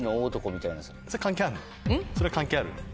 それ関係ある？